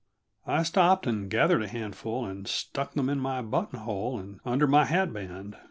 I stopped and gathered a handful and stuck them in my buttonhole and under my hatband.